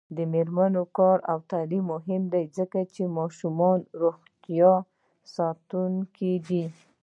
د میرمنو کار او تعلیم مهم دی ځکه چې ماشومانو روغتیا ساتونکی دی.